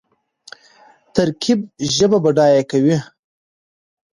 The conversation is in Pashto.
ترکیب ژبه بډایه کوي.